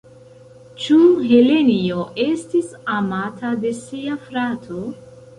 Ĉu Helenjo estis amata de sia frato?